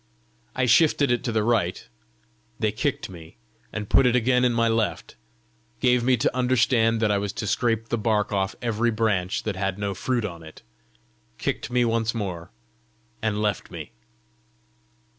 I shifted it to the right; they kicked me, and put it again in the left; gave me to understand that I was to scrape the bark off every branch that had no fruit on it; kicked me once more, and left me.